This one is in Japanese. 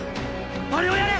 あれをやれ！